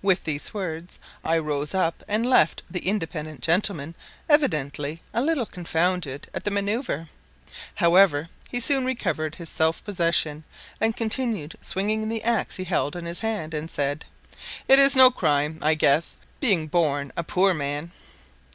With these words I rose up and left the independent gentleman evidently a little confounded at the manoeuvre: however, he soon recovered his self possession, and continued swinging the axe he held in his hand, and said, "It is no crime, I guess, being born a poor man."